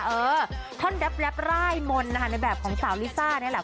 เออท่อนแป๊บร่ายมนต์นะคะในแบบของสาวลิซ่านี่แหละ